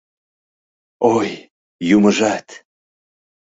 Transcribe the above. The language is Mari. Ой! юмыжат!